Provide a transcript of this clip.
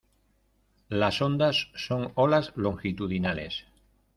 las ondas son olas longitudinales.